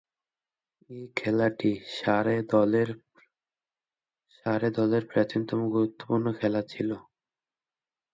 এ খেলাটি সারে দলের প্রাচীনতম গুরুত্বপূর্ণ খেলা ছিল।